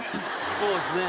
そうですね。